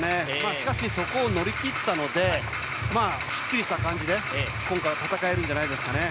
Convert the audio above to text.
しかしそこを乗り切ったのですっきりした感じで今回は戦えるんじゃないですかね。